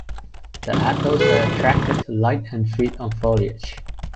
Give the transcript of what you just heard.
The adults are attracted to light and feed on foliage.